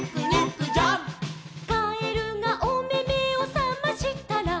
「かえるがおめめをさましたら」